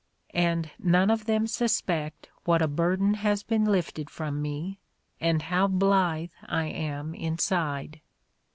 and none of them suspect what a burden has been lifted from me and how blithe I am inside.